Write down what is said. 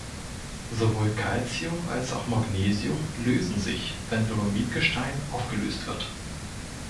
Sowohl Calcium als auch Magnesium lösen sich, wenn Dolomitgestein aufgelöst wird.